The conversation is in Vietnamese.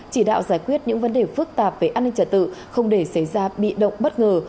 chỉ đạo giải quyết những vấn đề phức tạp về an ninh trả tự không để xảy ra bị động bất ngờ